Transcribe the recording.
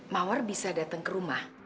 mawar bisa datang ke rumah